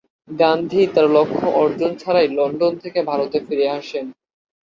গান্ধী তাঁর লক্ষ্য অর্জন ছাড়াই লন্ডন থেকে ভারতে ফিরে আসেন।